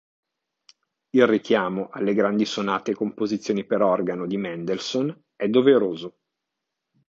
Il richiamo alle grandi Sonate e composizioni per Organo di Mendelssohn è doveroso.